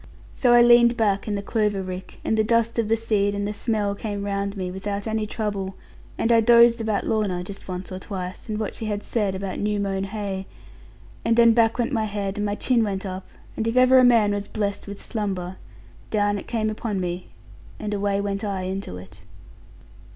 So I leaned back in the clover rick, and the dust of the seed and the smell came round me, without any trouble; and I dozed about Lorna, just once or twice, and what she had said about new mown hay; and then back went my head, and my chin went up; and if ever a man was blest with slumber, down it came upon me, and away went I into it.